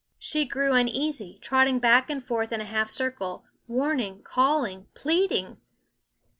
She grew uneasy, trotting back and forth in a half circle, warning, calling, pleading.